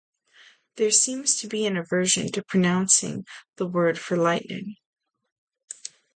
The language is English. There seems to be an aversion to pronouncing the word for lightning.